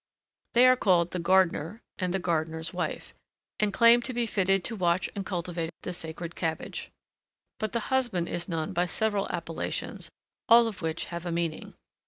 They are called the gardener and the gardener's wife, and claim to be fitted to watch and cultivate the sacred cabbage. But the husband is known by several appellations, all of which have a meaning.